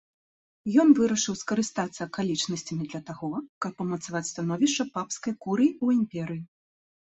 Ён вырашыў скарыстацца акалічнасцямі для таго, каб умацаваць становішча папскай курыі ў імперыі.